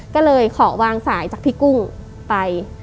ก็เลยขอวางสายจากพี่กุ้งไป